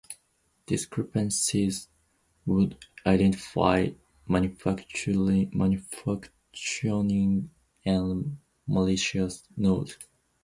Discrepancies would identify malfunctioning and malicious nodes.